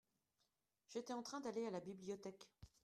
J'étais en train d'aller à la bibliothèque.